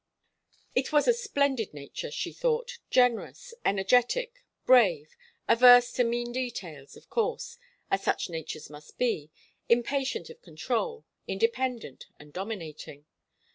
It was a splendid nature, she thought, generous, energetic, brave, averse to mean details, of course, as such natures must be, impatient of control, independent and dominating.